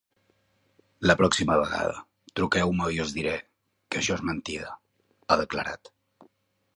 La pròxima vegada truqueu-me i us diré que això és mentida, ha declarat.